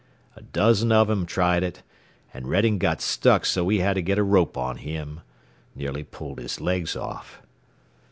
"A dozen of 'em tried it, and Redding got stuck so we had to get a rope on him. Nearly pulled his legs off."